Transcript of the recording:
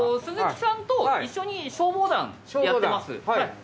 鈴木さんと一緒に消防団やってます。